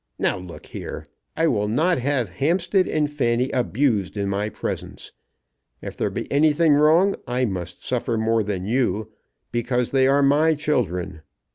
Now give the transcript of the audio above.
Now look here. I will not have Hampstead and Fanny abused in my presence. If there be anything wrong I must suffer more than you, because they are my children.